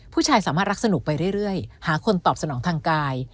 ผู้ชายสามารถรักสนุกไปเรื่อยหาคนตอบสนองทางกาย